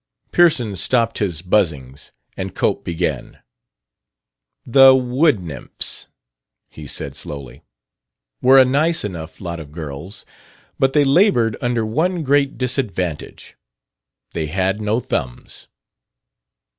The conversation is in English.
Pearson stopped his buzzings, and Cope began. "The Wood nymphs," he said slowly, "were a nice enough lot of girls, but they labored under one great disadvantage: they had no thumbs."